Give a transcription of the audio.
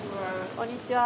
こんにちは。